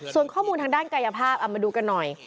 ส่วนข้อมูลทางด้านกายภาพเอามาดูกันหน่อย